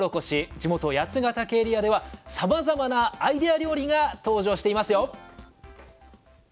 地元八ヶ岳エリアではさまざまなアイデア料理が登場していますよ！